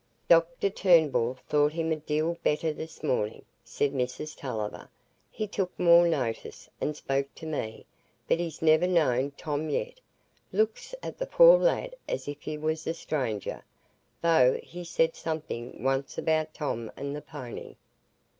"Dr Turnbull thought him a deal better this morning," said Mrs Tulliver; "he took more notice, and spoke to me; but he's never known Tom yet,—looks at the poor lad as if he was a stranger, though he said something once about Tom and the pony.